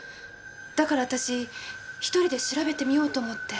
だから私１人で調べてみようと思って。